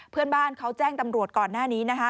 เพื่อนบ้านเขาแจ้งตำรวจก่อนหน้านี้นะคะ